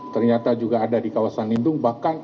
ternyata juga ada di kawasan lindung bahkan